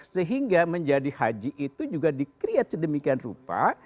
sehingga menjadi haji itu juga di create sedemikian rupa